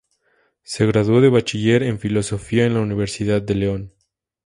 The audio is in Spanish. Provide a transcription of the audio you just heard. Se graduó de Bachiller en Filosofía en la Universidad de León.